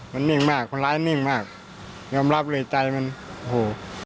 มันนิ่งมากคนร้ายนิ่งมากยอมรับเลยใจมันโห